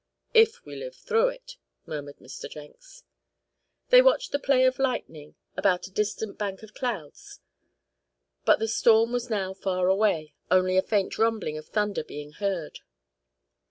"If we live through it," murmured Mr. Jenks. They watched the play of lightning about a distant bank of clouds, but the storm was now far away, only a faint rumbling of thunder being heard.